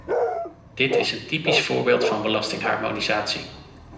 Dit is een typisch voorbeeld van belastingharmonisatie.